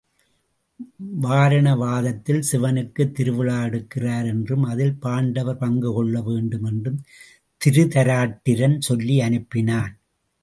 வாரணாவதத்தில் சிவனுக்குத் திருவிழா எடுக்கிறார் என்றும் அதில் பாண்டவர் பங்கு கொள்ள வேண்டும் என்றும் திருதராட்டிரன் சொல்லி அனுப்பினான்.